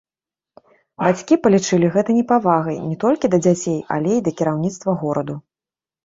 Бацькі палічылі гэта непавагай не толькі да дзяцей, але і да кіраўніцтва гораду.